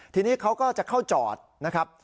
ทีนี้เขาก็จะเข้าจอดนะครับ